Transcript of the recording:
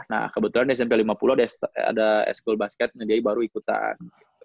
nah kebetulan smp lima puluh ada s kool basket yang dia baru ikutan